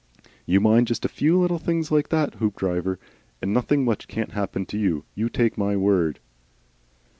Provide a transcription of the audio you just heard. You mind just a few little things like that, Hoopdriver, and nothing much can't happen to you you take my word."